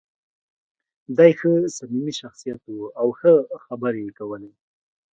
دی ښه صمیمي شخصیت و او ښه خبرې یې کولې.